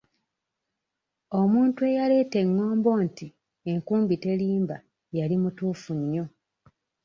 "Omuntu eyaleeta engombo nti ""enkumbi terimba"", yali mutuufu nnyo."